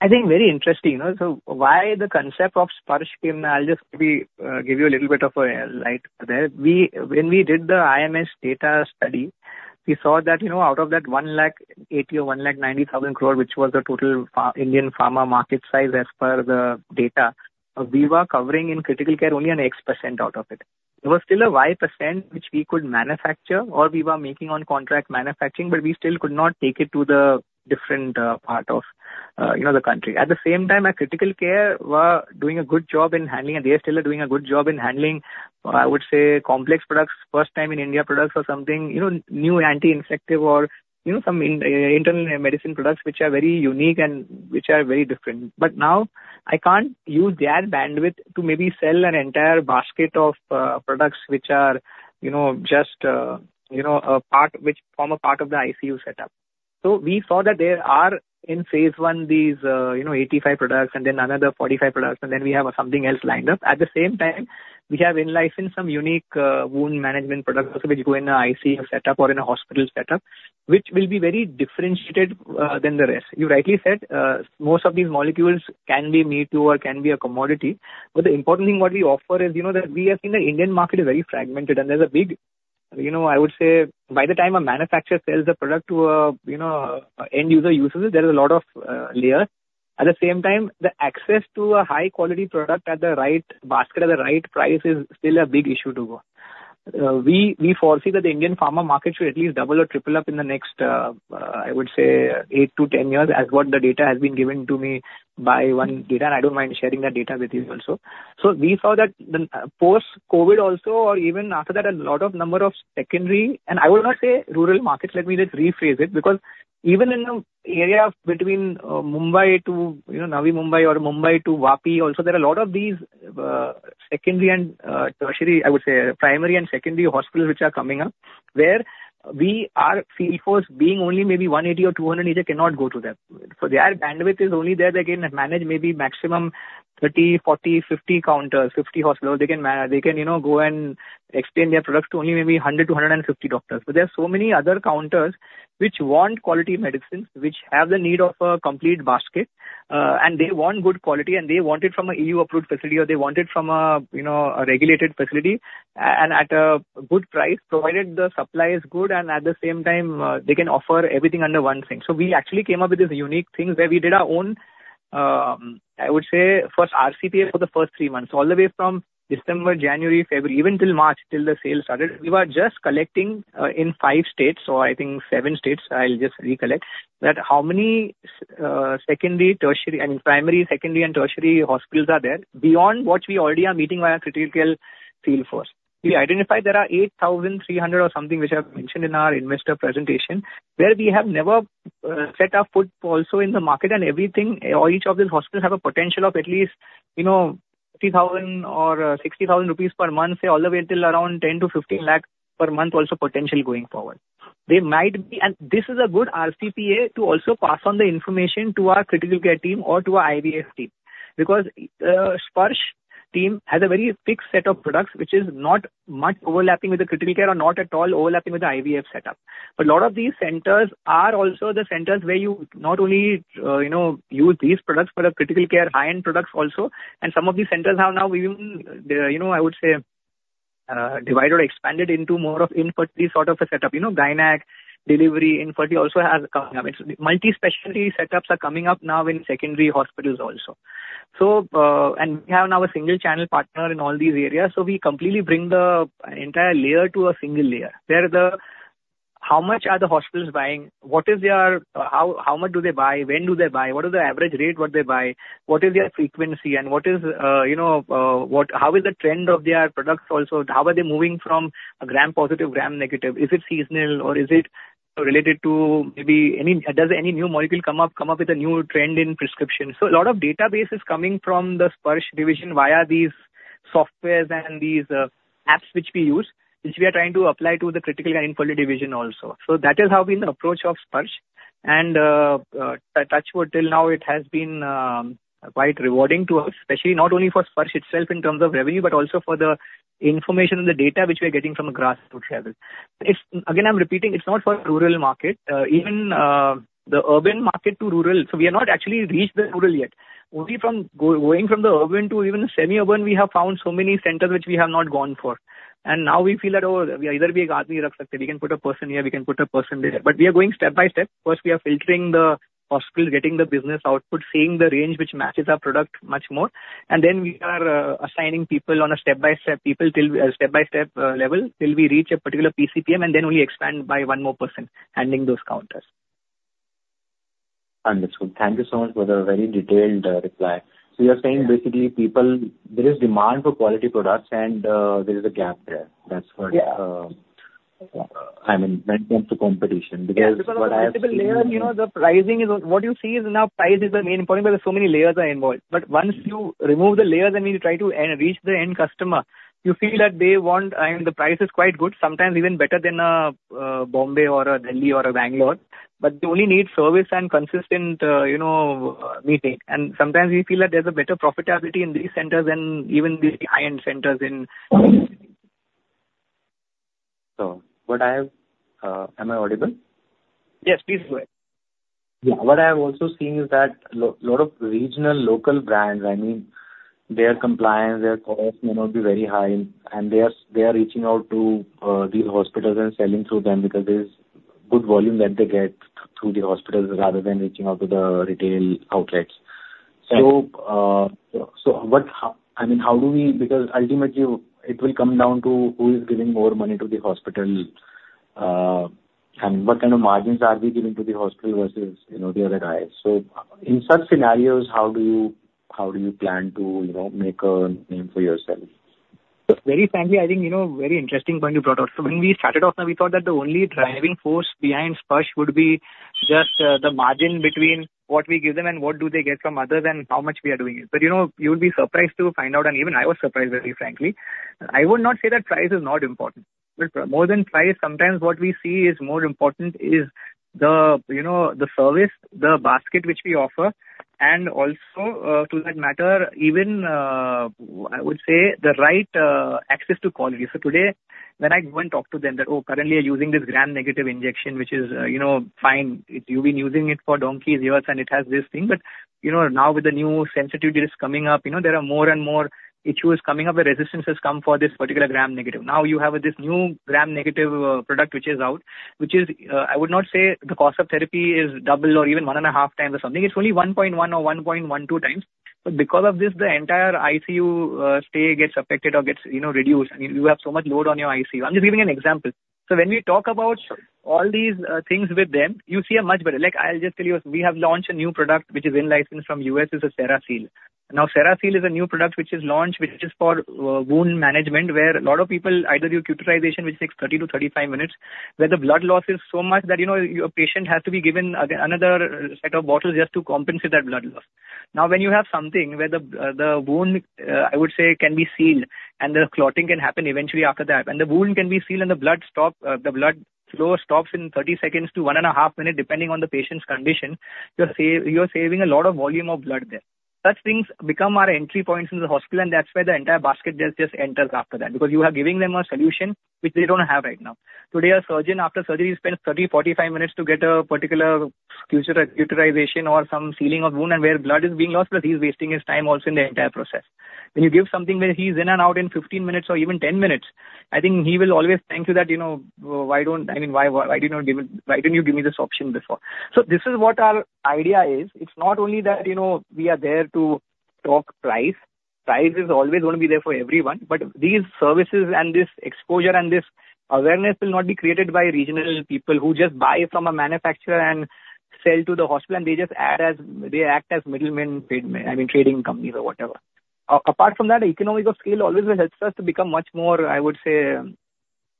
I think very interesting, you know. Why the concept of Sparsh came, I'll just maybe give you a little bit of a light there. When we did the IMS data study, we saw that, you know, out of that 1.8 lakh crore or 1.9 lakh crore, which was the total Indian pharma market size as per the data, we were covering in critical care only an X% out of it. There was still a Y% which we could manufacture or we were making on contract manufacturing, but we still could not take it to the different part of, you know, the country. At the same time, our critical care were doing a good job in handling, and they are still doing a good job in handling, I would say, complex products, first time in India products or something, you know, new anti-infective or, you know, some in internal medicine products, which are very unique and which are very different. Now, I can't use their bandwidth to maybe sell an entire basket of products which are, you know, just, you know, a part, which form a part of the ICU setup. We saw that there are, in phase I, these, you know, 85 products, and then another 45 products, and then we have something else lined up. At the same time, we have in-licensed some unique wound management products which go in a ICU setup or in a hospital setup, which will be very differentiated than the rest. You rightly said, most of these molecules can be me too or can be a commodity, but the important thing what we offer is, you know, that we have seen the Indian market is very fragmented, and there's a big, you know, I would say, by the time a manufacturer sells the product to a, you know, end user uses it, there is a lot of layer. At the same time, the access to a high-quality product at the right basket, at the right price is still a big issue to go.... We foresee that the Indian pharma market should at least double or triple up in the next, I would say 8-10 years, as what the data has been given to me by one data, and I don't mind sharing that data with you also. We saw that the post-COVID also, or even after that, a lot of number of secondary, and I would not say rural markets, let me just rephrase it, because even in the area of between Mumbai to, you know, Navi Mumbai or Mumbai to Vapi also, there are a lot of these secondary and tertiary, I would say primary and secondary hospitals which are coming up, where our field force being only maybe 180 or 200, they cannot go to them. Their bandwidth is only there. They can manage maybe maximum 30, 40, 50 counters, 50 hospitals. They can, you know, go and extend their products to only maybe 100 to 150 doctors. There are so many other counters which want quality medicines, which have the need of a complete basket, and they want good quality, and they want it from a EU-approved facility, or they want it from a, you know, a regulated facility and at a good price, provided the supply is good, and at the same time, they can offer everything under one thing. We actually came up with this unique thing where we did our own, I would say, first RCPA for the first 3 months, all the way from December, January, February, even till March, till the sales started. We were just collecting, in five states, or I think seven states, I'll just recollect, that how many secondary, tertiary, I mean, primary, secondary and tertiary hospitals are there beyond what we already are meeting via critical care field force. We identified there are 8,300 or something, which I've mentioned in our investor presentation, where we have never set up foot also in the market and everything, or each of these hospitals have a potential of at least, you know, 50,000 or 60,000 rupees per month, all the way till around 10-15 lakh per month, also potentially going forward. They might be... This is a good RCPA to also pass on the information to our critical care team or to our IVF team, because Sparsh team has a very fixed set of products which is not much overlapping with the critical care or not at all overlapping with the IVF setup. A lot of these centers are also the centers where you not only, you know, use these products, but are critical care high-end products also. Some of these centers have now even, you know, I would say, divided or expanded into more of infertility sort of a setup. You know, gynae, delivery, infertility also has coming up. Multi-specialty setups are coming up now in secondary hospitals also. We have now a single channel partner in all these areas, so we completely bring the entire layer to a single layer. How much are the hospitals buying? What is their how much do they buy? When do they buy? What is the average rate what they buy? What is their frequency and what is, you know, how is the trend of their products also? How are they moving from a gram-positive, gram-negative? Is it seasonal or is it related to maybe any, does any new molecule come up with a new trend in prescription? A lot of database is coming from the Sparsh division via these softwares and these apps which we use, which we are trying to apply to the critical and infertility division also. That is how been the approach of Sparsh. Touch wood, till now it has been quite rewarding to us, especially not only for Sparsh itself in terms of revenue, but also for the information and the data which we are getting from the grassroot level. If, again, I'm repeating, it's not for rural market, even the urban market to rural, we have not actually reached the rural yet. Only from going from the urban to even the semi-urban, we have found so many centers which we have not gone for. Now we feel that, oh, we either be a party, we can put a person here, we can put a person there, but we are going step by step. First, we are filtering the hospitals, getting the business output, seeing the range which matches our product much more. We are assigning people on a step-by-step level, till we reach a particular PCPM, and then we expand by one more person, handling those counters. Understood. Thank you so much for the very detailed reply. You are saying basically, people, there is demand for quality products and there is a gap there. Yeah. I mean, when it comes to competition, because what I have seen Yeah, because of the multiple layers, you know, the pricing is. What you see is now price is the main point because so many layers are involved. Once you remove the layers and you try to reach the end customer, you feel that they want, and the price is quite good, sometimes even better than Bombay or Delhi or Bangalore, but they only need service and consistent, you know, meeting. Sometimes we feel that there's a better profitability in these centers than even the high-end centers in. What I have,... Am I audible? Yes, please go ahead. Yeah. What I have also seen is that lot of regional local brands, I mean, their compliance, their costs may not be very high, and they are reaching out to these hospitals and selling through them because there's good volume that they get through the hospitals, rather than reaching out to the retail outlets. Yes. Because ultimately it will come down to who is giving more money to the hospital, and what kind of margins are we giving to the hospital versus, you know, the other guys. In such scenarios, how do you, how do you plan to, you know, make a name for yourself? Very frankly, I think, you know, very interesting point you brought out. When we started off, now we thought that the only driving force behind Sparsh would be just the margin between what we give them and what do they get from others, and how much we are doing it. You know, you would be surprised to find out, and even I was surprised, very frankly, I would not say that price is not important. More than price, sometimes what we see is more important is the, you know, the service, the basket which we offer, and also, to that matter, even, I would say, the right access to quality. Today, when I go and talk to them, that, "Oh, currently you're using this gram-negative injection, which is, you know, fine. You've been using it for donkey's years, and it has this thing. You know, now with the new sensitivity that is coming up, you know, there are more and more issues coming up, the resistance has come for this particular gram-negative. You have this new gram-negative product which is out, which is, I would not say the cost of therapy is double or even 1.5 times or something. It's only 1.1 or 1.12 times. Because of this, the entire ICU stay gets affected or gets, you know, reduced, and you have so much load on your ICU. I'm just giving an example. When we talk about all these things with them, you see a much better. Like, I'll just tell you, we have launched a new product, which is in license from US, is a CeraSeal. CeraSeal is a new product which is launched, which is for wound management, where a lot of people either do cauterization, which takes 30 to 35 minutes, where the blood loss is so much that, you know, your patient has to be given another set of bottles just to compensate that blood loss. When you have something where the wound, I would say, can be sealed and the clotting can happen eventually after that, when the wound can be sealed and the blood stop, the blood flow stops in 30 seconds to 1.5 minutes, depending on the patient's condition, you're saving a lot of volume of blood there. Such things become our entry points in the hospital, and that's where the entire basket just enters after that. Because you are giving them a solution which they don't have right now. Today, a surgeon, after surgery, spends 30, 45 minutes to get a particular cauterization or some sealing of wound and where blood is being lost, but he's wasting his time also in the entire process. When you give something where he's in and out in 15 minutes or even 10 minutes, I think he will always thank you that, you know, I mean, why didn't you give me this option before? This is what our idea is. It's not only that, you know, we are there to talk price. Price is always going to be there for everyone, but these services and this exposure and this awareness will not be created by regional people who just buy from a manufacturer and sell to the hospital, and they just act as middlemen, I mean, trading companies or whatever. Apart from that, economics of scale always helps us to become much more, I would say,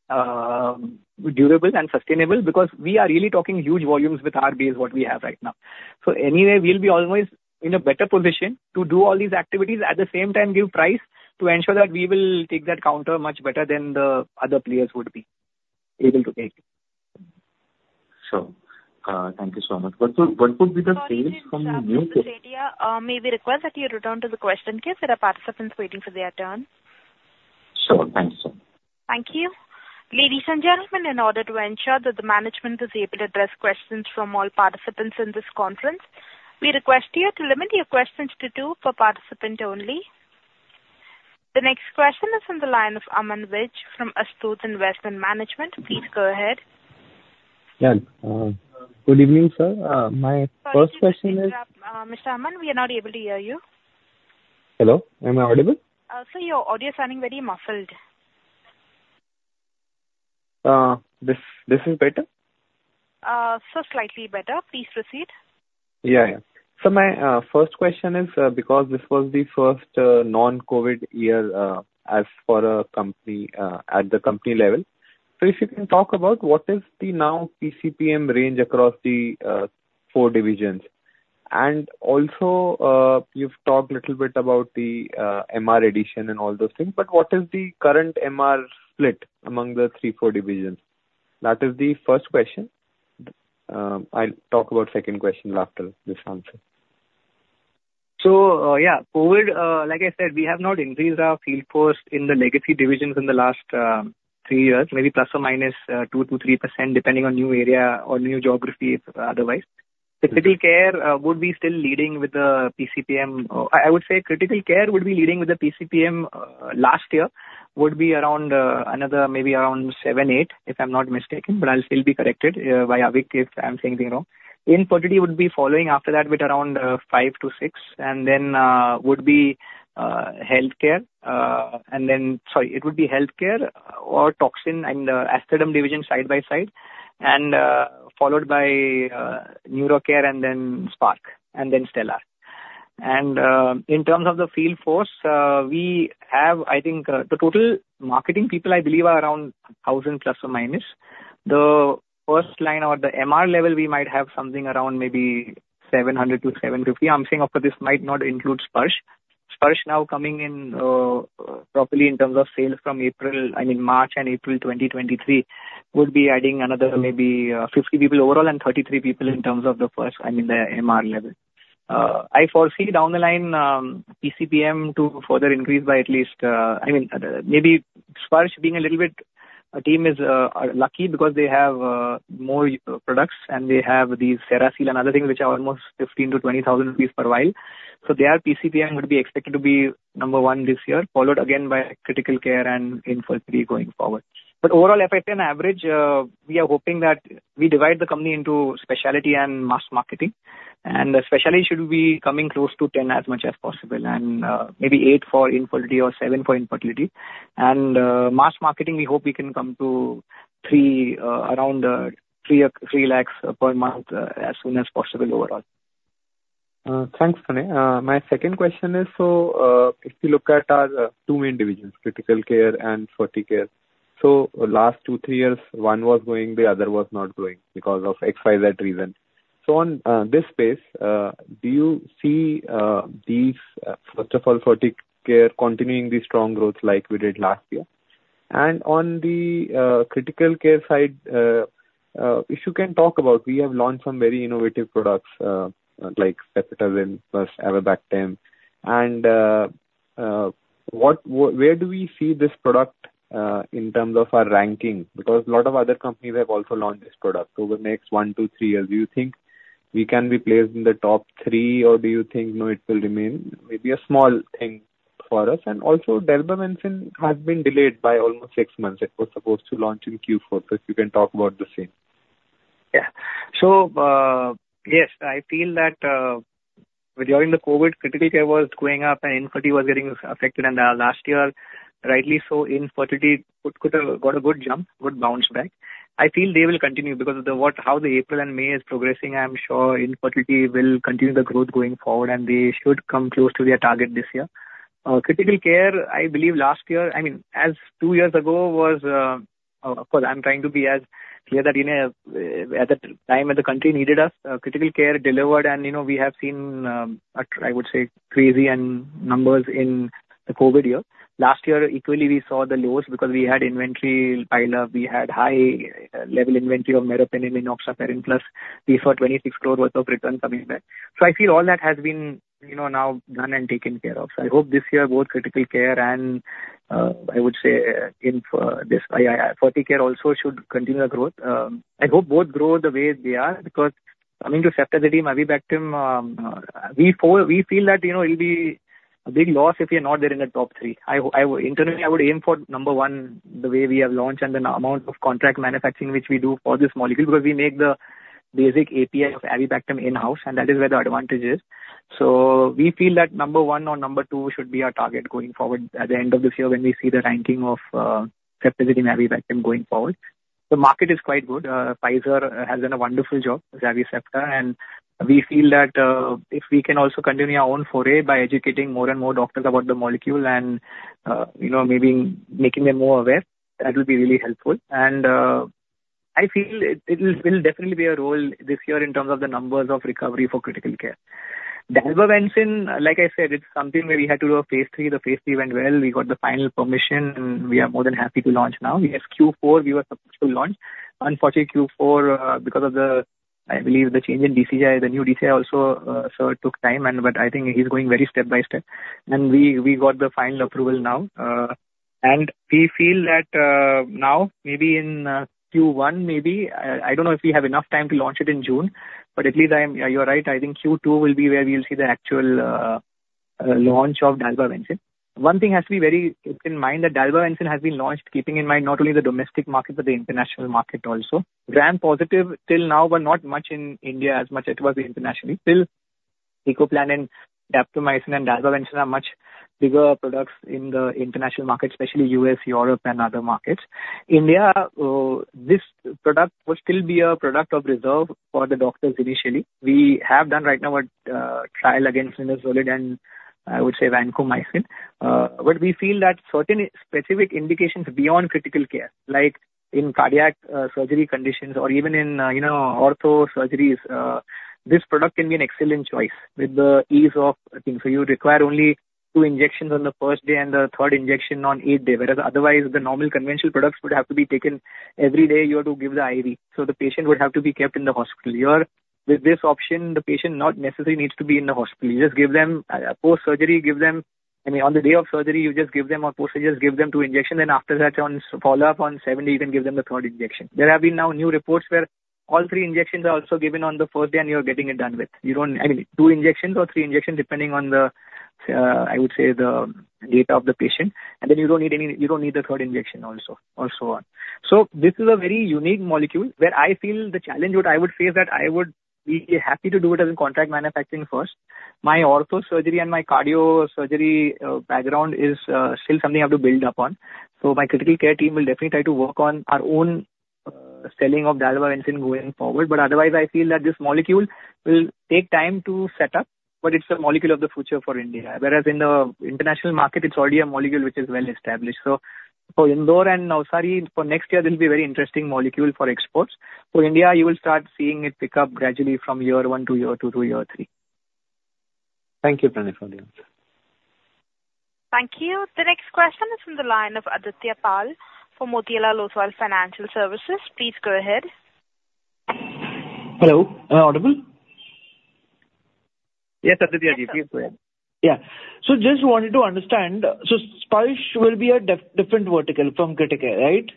durable and sustainable because we are really talking huge volumes with RBs, what we have right now. Anyway, we'll be always in a better position to do all these activities, at the same time give price to ensure that we will take that counter much better than the other players would be able to take. Sure. Thank you so much. What would be the sales from the new-? May we request that you return to the question queue, there are participants waiting for their turn. Sure. Thanks. Thank you. Ladies and gentlemen, in order to ensure that the management is able to address questions from all participants in this conference, we request you to limit your questions to two per participant only. The next question is from the line of Aman Vij from Astute Investment Management. Please go ahead. Yeah. Good evening, sir. My first question is? Mr. Aman, we are not able to hear you. Hello, am I audible? Sir, your audio is sounding very muffled. This is better? Slightly better. Please proceed. Yeah, yeah. My first question is because this was the first non-COVID year as for a company at the company level. If you can talk about what is the now PCPM range across the four divisions. Also, you've talked a little bit about the MR addition and all those things, what is the current MR split among the three, four divisions? That is the first question. I'll talk about second question after this answer. Yeah. COVID, like I said, we have not increased our field force in the legacy divisions in the last 3 years, maybe ±2%-3%, depending on new area or new geography otherwise. Critical care would be still leading with the PCPM. I would say critical care would be leading with the PCPM last year, would be around another maybe around 7, 8, if I'm not mistaken, but I'll still be corrected by Avik if I'm saying anything wrong. Infertility would be following after that with around 5-6. Then would be healthcare, and then... Sorry, it would be healthcare or toxin and Aesthaderm division side by side, followed by Neurocare and then Spark and then Stellar. In terms of the field force, we have I think the total marketing people, I believe, are around 1,000, plus or minus. The first line or the MR level, we might have something around maybe 700-750. I'm saying, of course, this might not include Sparsh. Sparsh now coming in, properly in terms of sales from April, I mean March and April 2023, would be adding another maybe 50 people overall and 33 people in terms of the first, I mean, the MR level. I foresee down the line, PCPM to further increase by at least, I mean, maybe Sparsh being a little bit team is lucky because they have more products, and they have the CeraSeal and other things which are almost 15,000-20,000 rupees per vial. Their PCPM would be expected to be number 1 this year, followed again by critical care and infertility going forward. Overall, if I say on average, we are hoping that we divide the company into specialty and mass marketing, and the specialty should be coming close to 10 as much as possible, and maybe 8 for infertility or 7 for infertility. Mass marketing, we hope we can come to around 3 lakhs per month, as soon as possible overall. Thanks, Sunny. My second question is, if you look at our 2 main divisions, critical care and fertility care. Last 2, 3 years, one was growing, the other was not growing because of XYZ reason. On this space, do you see these, first of all, fertility care continuing the strong growth like we did last year? On the critical care side, if you can talk about, we have launched some very innovative products, like Ceftazidime, plus Avibactam, and where do we see this product in terms of our ranking, because a lot of other companies have also launched this product? Over the next 1-3 years, do you think we can be placed in the top three, or do you think, no, it will remain maybe a small thing for us? Dalbavancin has been delayed by almost six months. It was supposed to launch in Q4, so if you can talk about the same. Yeah. Yes, I feel that, during the COVID, critical care was going up and infertility was getting affected. Last year, rightly so, infertility could have got a good jump, good bounce back. I feel they will continue because of how the April and May is progressing, I am sure infertility will continue the growth going forward, and they should come close to their target this year. Critical care, I believe last year, I mean, as two years ago, was. Of course, I'm trying to be as clear that, you know, at the time when the country needed us, critical care delivered, and, you know, we have seen, I would say, crazy numbers in the COVID year. Last year, equally, we saw the lows because we had inventory pile up. We had high-level inventory of meropenem and oxacillin, plus we saw 26 crore worth of return coming back. I feel all that has been, you know, now done and taken care of. I hope this year, both critical care and I would say Ferticare also should continue the growth. I hope both grow the way they are, because coming to Ceftazidime-avibactam, we feel that, you know, it'll be a big loss if we are not there in the top three. I would, internally, I would aim for number one, the way we have launched and the amount of contract manufacturing which we do for this molecule, because we make the basic API of avibactam in-house, and that is where the advantage is. We feel that number one or number two should be our target going forward at the end of this year when we see the ranking of septra and avibactam going forward. The market is quite good. Pfizer has done a wonderful job with septra, and we feel that if we can also continue our own foray by educating more and more doctors about the molecule and you know, maybe making them more aware, that will be really helpful. I feel it will definitely be a role this year in terms of the numbers of recovery for critical care. Dalbavancin, like I said, it's something where we had to do a phase 3. The phase 3 went well. We got the final permission, and we are more than happy to launch now. Q4, we were supposed to launch. Unfortunately, Q4, because of the, I believe the change in DCI, the new DCI also, it took time but I think he's going very step by step. We got the final approval now. We feel that, now, maybe in Q1, maybe, I don't know if we have enough time to launch it in June, but at least I'm... You're right, I think Q2 will be where we will see the actual launch of Dalbavancin. One thing has to be very kept in mind, that Dalbavancin has been launched keeping in mind not only the domestic market, but the international market also. Gram positive till now, but not much in India as much as it was internationally. Teicoplanin and daptomycin and Dalbavancin are much bigger products in the international market, especially US, Europe and other markets. India, this product will still be a product of reserve for the doctors initially. We have done right now a trial against linezolid, and I would say vancomycin. We feel that certain specific indications beyond critical care, like in cardiac surgery conditions or even in, you know, ortho surgeries, this product can be an excellent choice with the ease of... I think so you require only 2 injections on the 1st day and the 3rd injection on 8th day, whereas otherwise, the normal conventional products would have to be taken every day, you have to give the IV. The patient would have to be kept in the hospital. Here, with this option, the patient not necessarily needs to be in the hospital. You just give them post-surgery, give them... I mean, on the day of surgery, you just give them or post-surgery, just give them two injections, and after that, on follow-up, on seventh day, you can give them the third injection. There have been now new reports where all three injections are also given on the first day, and you're getting it done with. I mean, two injections or three injections, depending on the, I would say, the data of the patient, and then you don't need any, you don't need the third injection also, or so on. This is a very unique molecule where I feel the challenge would, I would say, is that I would be happy to do it as a contract manufacturing first. My ortho surgery and my cardio surgery background is still something I have to build upon. My critical care team will definitely try to work on our own selling of Dalbavancin going forward. Otherwise, I feel that this molecule will take time to set up, but it's a molecule of the future for India. Whereas in the international market, it's already a molecule which is well established. For Indore and Navsari, for next year, this will be a very interesting molecule for exports. For India, you will start seeing it pick up gradually from year one to year two to year three. Thank you, Pranav, for it. Thank you. The next question is from the line of Aditya Pal for Motilal Oswal Financial Services. Please go ahead. Hello, am I audible? Yes, Aditya, please go ahead. Yeah. Just wanted to understand, so Sparsh will be a different vertical from critical care, right?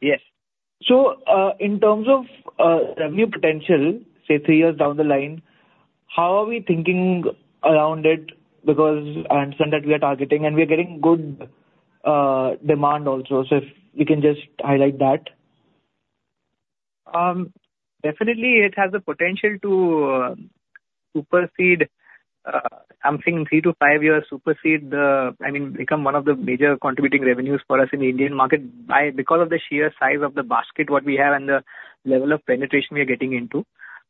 Yes. In terms of, revenue potential, say, three years down the line, how are we thinking around it? I understand that we are targeting and we are getting good, demand also. If you can just highlight that. Definitely it has the potential to supersede, I'm saying 3 to 5 years, supersede, I mean, become one of the major contributing revenues for us in the Indian market by, because of the sheer size of the basket, what we have and the level of penetration we are getting into.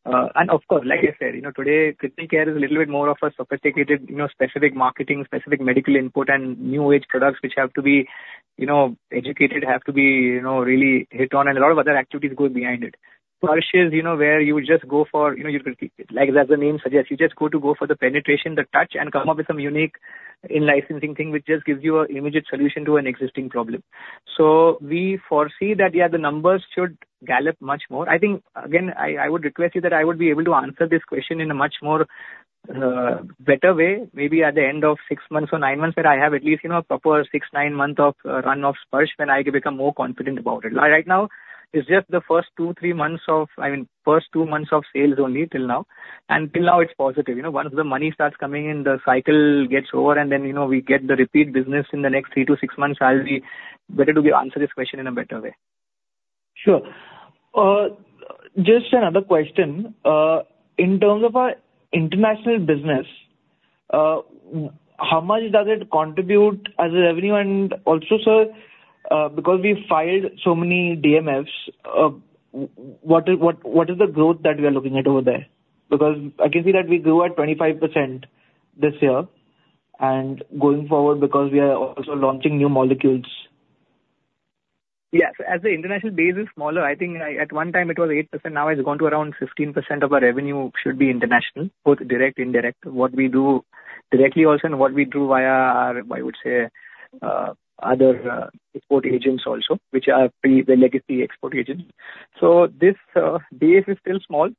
Of course, like I said, you know, today, critical care is a little bit more of a sophisticated, you know, specific marketing, specific medical input and new age products, which have to be, you know, educated, have to be, you know, really hit on, and a lot of other activities go behind it. Sparsh is, you know, where you just go for, you know, you can keep it. Like, as the name suggests, you just go for the penetration, the touch, and come up with some unique in-licensing thing, which just gives you an immediate solution to an existing problem. We foresee that, yeah, the numbers should gallop much more. I think, again, I would request you that I would be able to answer this question in a much more better way, maybe at the end of six months or nine months, that I have at least, you know, a proper six, nine months of run of Sparsh, when I can become more confident about it. Right now, it's just the first two months of sales only till now, and till now, it's positive. You know, once the money starts coming in, the cycle gets over, and then, you know, we get the repeat business in the next three to six months, I'll be better to answer this question in a better way. Sure. Just another question. In terms of our international business, how much does it contribute as a revenue? Also, sir, because we filed so many DMFs, what is the growth that we are looking at over there? I can see that we grew at 25% this year, and going forward, because we are also launching new molecules. Yes. As the international base is smaller, I think at one time it was 8%, now it's gone to around 15% of our revenue should be international, both direct, indirect. What we do directly also, and what we do via our, I would say, other export agents also, which are the legacy export agents. This base is still small.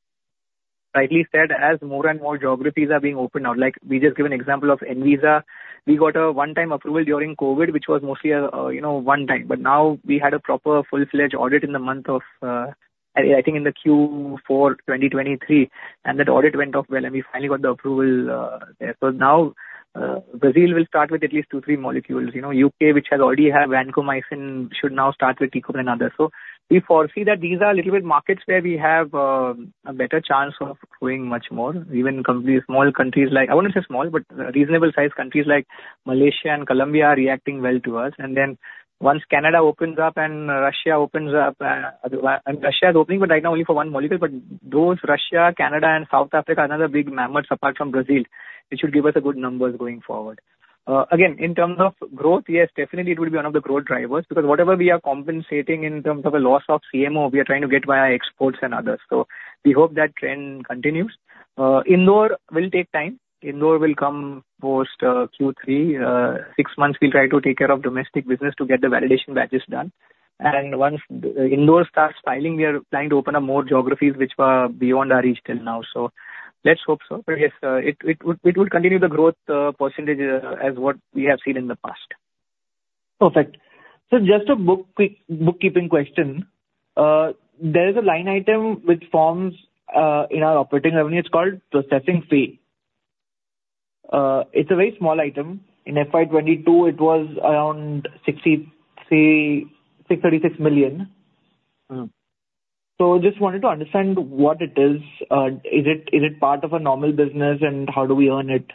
Like we said, as more and more geographies are being opened now, like, we just give an example of Anvisa. We got a one-time approval during COVID, which was mostly, you know, one time. Now we had a proper full-fledged audit in the month of, I think in the Q4 2023, and that audit went off well, and we finally got the approval there. Now, Brazil will start with at least 2, 3 molecules. You know, U.K., which has already had vancomycin, should now start with teico and another. We foresee that these are little bit markets where we have a better chance of growing much more, even countries, small countries like, I wouldn't say small, but reasonable-sized countries like Malaysia and Colombia are reacting well to us. Once Canada opens up and Russia opens up, Russia is opening, but right now only for one molecule. Those Russia, Canada and South Africa, another big members apart from Brazil, it should give us good numbers going forward. Again, in terms of growth, yes, definitely it will be one of the growth drivers, because whatever we are compensating in terms of a loss of CMO, we are trying to get via exports and others. We hope that trend continues. Indore will take time. Indore will come post Q3. Six months, we'll try to take care of domestic business to get the Validation Batches done. Once Indore starts filing, we are planning to open up more geographies which were beyond our reach till now. Let's hope so. Yes, it will continue the growth %, as what we have seen in the past. Perfect. Just a bookkeeping question. There is a line item which forms in our operating revenue. It's called processing fee. It's a very small item. In FY 2022, it was around 63,636 million. Mm. Just wanted to understand what it is. Is it part of a normal business, and how do we earn it?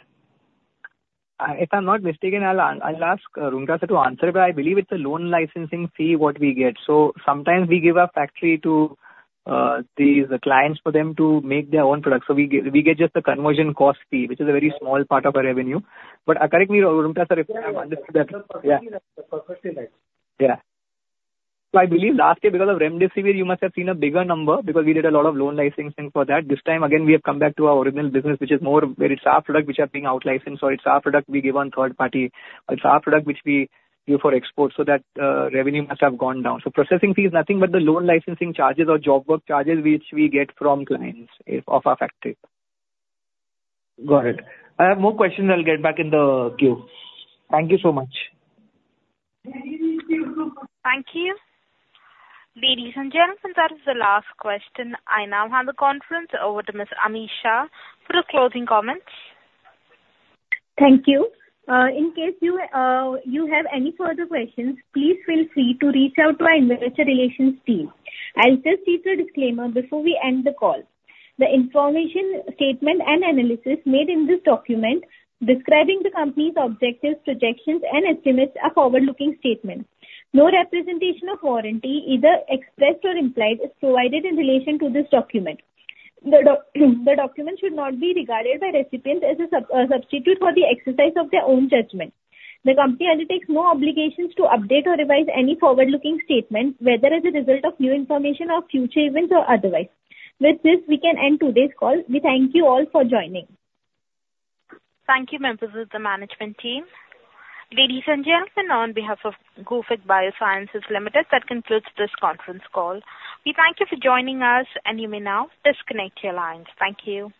If I'm not mistaken, I'll ask Roonghta to answer, but I believe it's a loan licensing fee, what we get. Sometimes we give our factory to these clients for them to make their own products. We get just a conversion cost fee, which is a very small part of our revenue. Correct me, Roonghta sir, if I've understood that. Perfectly right. Yeah. I believe last year, because of remdesivir, you must have seen a bigger number, because we did a lot of loan licensing for that. This time, again, we have come back to our original business, which is more where it's our product which are being out-licensed, or it's our product we give on third party, it's our product which we give for export, so that revenue must have gone down. Processing fee is nothing but the loan licensing charges or job work charges which we get from clients of our factory. Got it. I have more questions. I'll get back in the queue. Thank you so much. Thank you. Ladies and gentlemen, that is the last question. I now hand the conference over to Ms. Ami Shah for the closing comments. Thank you. In case you have any further questions, please feel free to reach out to our investor relations team. I'll just read the disclaimer before we end the call. The information, statement and analysis made in this document, describing the company's objectives, projections and estimates are forward-looking statements. No representation or warranty, either expressed or implied, is provided in relation to this document. The document should not be regarded by recipients as a substitute for the exercise of their own judgment. The company undertakes no obligations to update or revise any forward-looking statement, whether as a result of new information or future events or otherwise. With this, we can end today's call. We thank you all for joining. Thank you, members of the management team. Ladies and gentlemen, on behalf of Gufic Biosciences Limited, that concludes this conference call. We thank you for joining us, and you may now disconnect your lines. Thank you.